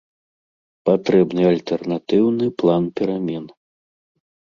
Патрэбны альтэрнатыўны план перамен.